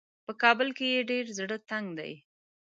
په کابل کې یې ډېر زړه تنګ دی.